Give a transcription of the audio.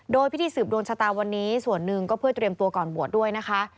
โดยพิธีสืบดวงชะตาวันนี้ส่วนหนึ่งก็เพื่อเตรียมตัวก่อนบวชด้วยนะคะ